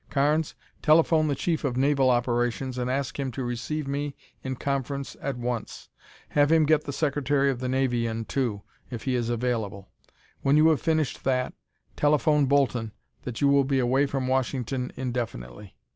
Carnes, telephone the Chief of Naval Operations and ask him to receive me in conference at once. Have him get the Secretary of the Navy in, too, if he is available. When you have finished that, telephone Bolton that you will be away from Washington indefinitely."